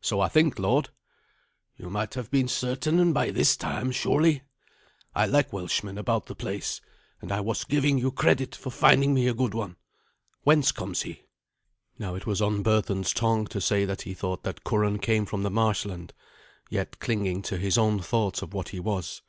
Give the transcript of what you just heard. "So I think, lord." "You might have been certain by this time, surely. I like Welshmen about the place, and I was giving you credit for finding me a good one. Whence comes he?" Now it was on Berthun's tongue to say that he thought that Curan came from the marshland, yet clinging to his own thoughts of what he was.